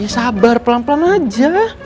sabar pelan pelan aja